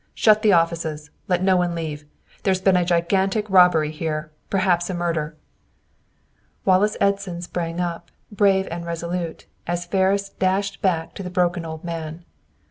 Shut the offices! Let no one leave! There's been a gigantic robbery here; perhaps a murder!" Wallace Edson sprang up, brave and resolute, as Ferris dashed back to the broken old man.